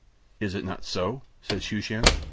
"Is it not so?" said Shooshan.